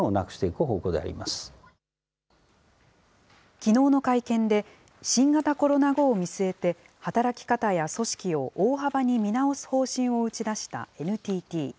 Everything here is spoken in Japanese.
きのうの会見で、新型コロナ後を見据えて、働き方や組織を大幅に見直す方針を打ち出したＮＴＴ。